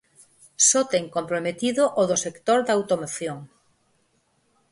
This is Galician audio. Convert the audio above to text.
Só ten comprometido o do sector da automoción.